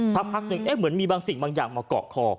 สักพักหนึ่งเหมือนมีบางสิ่งบางอย่างมาเกาะคอ